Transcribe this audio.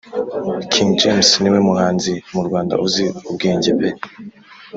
King James niwe muhanzi mu Rwanda uzi ubwenge pe